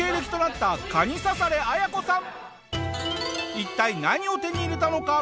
一体何を手に入れたのか？